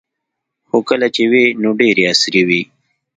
خو کله چې وې نو ډیرې عصري وې